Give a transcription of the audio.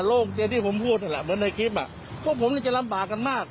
ที่ผมพูดนั่นแหละเหมือนในคลิปอ่ะพวกผมนี่จะลำบากกันมาก